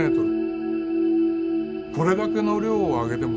これだけの量を揚げてもですね。